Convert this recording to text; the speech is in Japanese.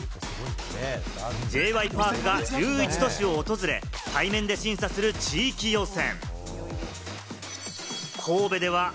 Ｊ．Ｙ．Ｐａｒｋが１１都市を訪れ、対面で審査する地域予選。